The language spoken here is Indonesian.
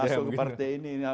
masuk ke partai ini